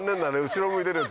後ろ向いてるよ